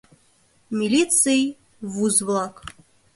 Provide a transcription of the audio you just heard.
Милиций... вуз-влак...